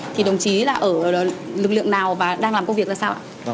thì đồng chí là ở lực lượng nào và đang làm công việc ra sao ạ